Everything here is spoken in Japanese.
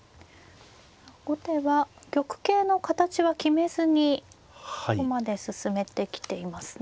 後手は玉形の形は決めずにここまで進めてきていますね。